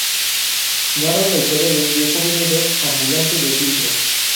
Narra la historia de un viejo vendedor ambulante de libros.